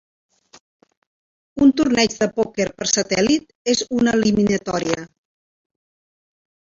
Un torneig de pòquer per satèl·lit és una eliminatòria.